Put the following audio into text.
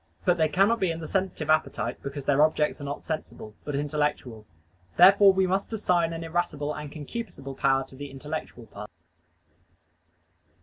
But they cannot be in the sensitive appetite, because their objects are not sensible, but intellectual. Therefore we must assign an irascible and concupiscible power to the intellectual part.